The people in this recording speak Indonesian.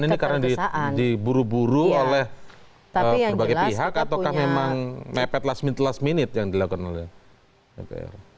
ketergesaan ini karena diburu buru oleh berbagai pihak atau memang mepet last minute yang dilakukan oleh ppr